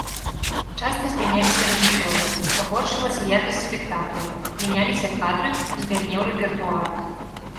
Часта змяняліся рэжысёры, пагоршылася якасць спектакляў, мяняліся кадры, збяднеў рэпертуар.